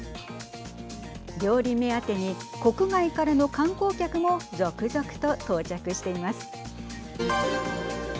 料理目当てに国外からの観光客も続々と到着しています。